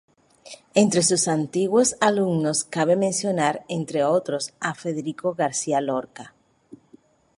Entre sus antiguos alumnos cabe mencionar, entre otros, a Federico García Lorca.